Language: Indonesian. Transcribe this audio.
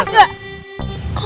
apaan sih apaan sih